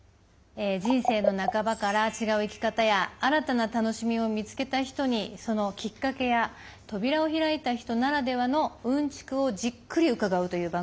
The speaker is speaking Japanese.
人生の半ばから違う生き方や新たな楽しみを見つけた人にそのきっかけや扉を開いた人ならではのうんちくをじっくり伺うという番組なんですけれども。